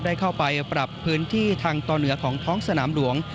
ได้เข้าไปปรับพื้นที่ทางต่อเหนือของท้องสนามหลวง